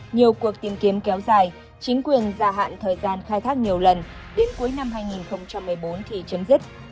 nhiều cuộc tìm kiếm kéo dài chính quyền gia hạn thời gian khai thác nhiều lần đến cuối năm hai nghìn một mươi bốn thì chấm dứt